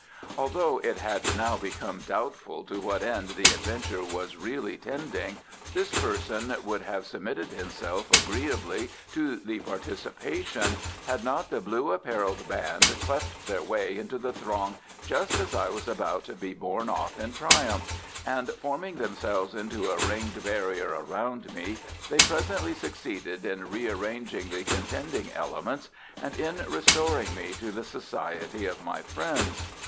Although it had now become doubtful to what end the adventure was really tending, this person would have submitted himself agreeably to the participation had not the blue apparelled band cleft their way into the throng just as I was about to be borne off in triumph, and forming themselves into a ringed barrier around me they presently succeeded in rearranging the contending elements and in restoring me to the society of my friends.